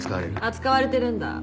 扱われてるんだ。